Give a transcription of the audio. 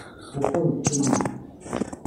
uko bipimwa